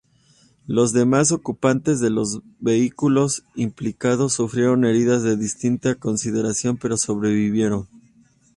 Los demás ocupantes de los vehículos implicados sufrieron heridas de distinta consideración pero sobrevivieron.